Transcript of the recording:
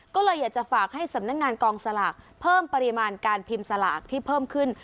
ก็เลยอยากจะฝากให้สำนักงานกองสลากเพิ่มปริมาณการพิมพ์สลากที่เพิ่มขึ้น